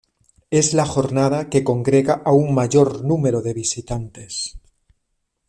Es la jornada que congrega a un mayor número de visitantes.